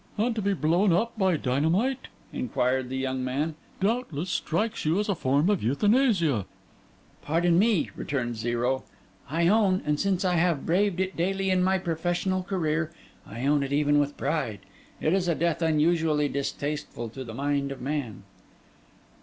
'And to be blown up by dynamite,' inquired the young man, 'doubtless strikes you as a form of euthanasia?' 'Pardon me,' returned Zero: 'I own, and since I have braved it daily in my professional career, I own it even with pride: it is a death unusually distasteful to the mind of man.